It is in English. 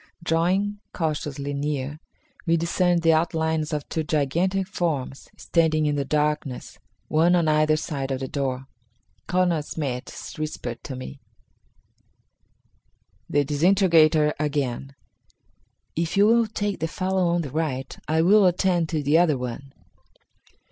Drawing cautiously near, we discerned the outlines of two gigantic forms, standing in the darkness, one on either side of the door. Colonel Smith whispered to me: The Disintegrator Again. "If you will take the fellow on the right, I will attend to the other one."